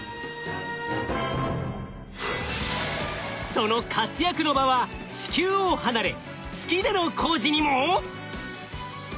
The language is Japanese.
その活躍の場は地球を離れ月での工事にも！？